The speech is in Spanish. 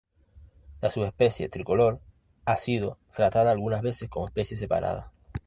La subespecie "tricolor" ha sido tratada algunas veces como especie separada.